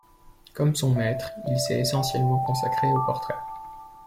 Comme son maître, il s'est essentiellement consacré au portrait.